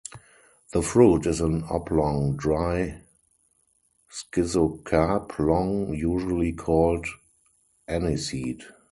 The fruit is an oblong dry schizocarp, long, usually called "aniseed".